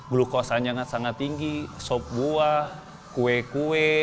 glukosanya sangat tinggi sop buah kue kue